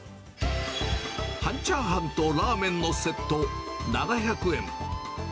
半チャーハンとラーメンのセット７００円。